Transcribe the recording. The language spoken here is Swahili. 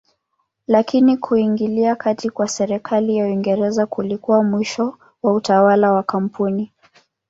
Lakini kuingilia kati kwa serikali ya Uingereza kulikuwa mwisho wa utawala wa kampuni.